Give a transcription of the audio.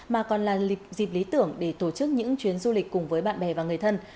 mà còn là dịp lý tưởng để tổ chức những chuyến du lịch cùng với bạn bè và người thân